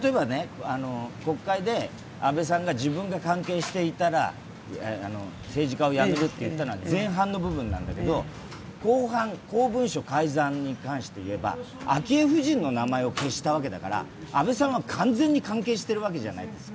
国会で安倍さんが自分が関係していたら政治家を辞めると言ったのは前半の部分なんだけど後半、公文書改ざんに関して言えば昭恵夫人の名前を消したわけだから、安倍さんは完全に関係しているわけじゃないですか。